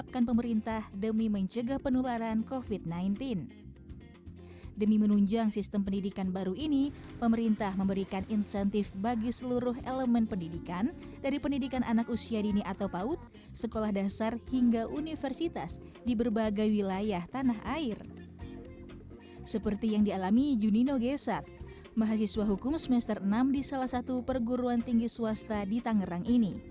kalau untuk cuma google google doang